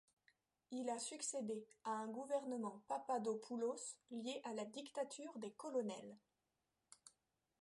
Il a succédé à un gouvernement Papadópoulos lié à la dictature des colonels.